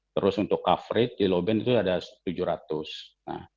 terus untuk coverage di loben itu ada tujuh ratus